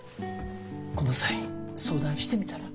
この際相談してみたら？